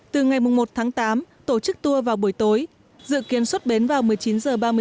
từ ngày một tháng tám tổ chức tour vào buổi tối dự kiến xuất bến vào một mươi chín h ba mươi và hai mươi h ba mươi hàng ngày